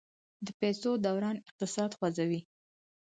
د پیسو دوران اقتصاد خوځوي.